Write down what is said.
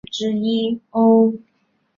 死前的女朋友苑琼丹陪伴在旁。